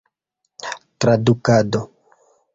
tradukado